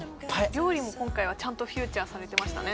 料理も今回はちゃんとフィーチャーされてましたね